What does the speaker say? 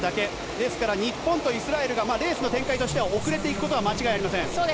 ですから、日本とイスラエルがレースの展開として遅れていくことは間違いありません。